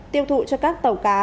tiêu thụ cho các tàu cá